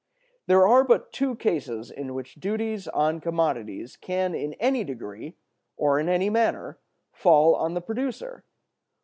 There are but two cases in which duties on commodities can in any degree, or in any manner, fall on the producer.